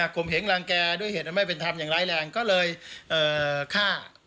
มเหงรังแกด้วยเหตุอันไม่เป็นธรรมอย่างร้ายแรงก็เลยฆ่า